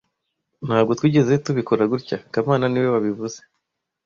Ntabwo twigeze tubikora gutya kamana niwe wabivuze